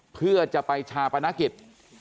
เพื่อจะไปชาปนกิจ